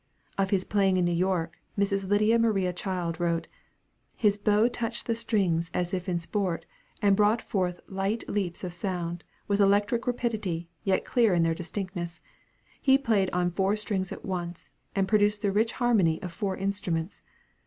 Of his playing in New York, Mrs. Lydia Maria Child wrote, "His bow touched the strings as if in sport, and brought forth light leaps of sound, with electric rapidity, yet clear in their distinctness. He played on four strings at once, and produced the rich harmony of four instruments.